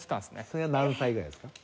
それが何歳ぐらいですか？